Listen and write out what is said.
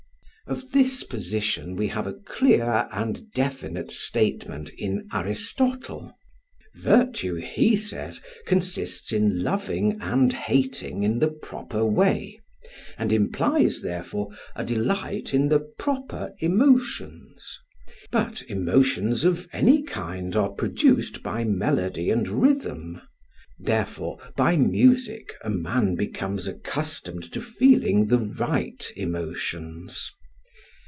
Of this position we have a clear and definite statement in Aristotle. Virtue, he says, consists in loving and hating in the proper way, and implies, therefore, a delight in the proper emotions; but emotions of any kind are produced by melody and rhythm; therefore by music a man becomes accustomed to feeling the right emotions.